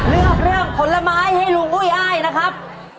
เลือกเรื่องผลไม้ให้ลุงอุ้ยอ้ายนะครับ